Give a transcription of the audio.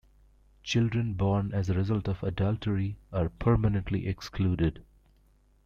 Children born as a result of adultery are permanently excluded.